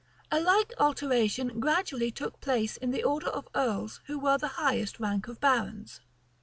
A like alteration gradually took place in the order of earls who were the highest rank of barons.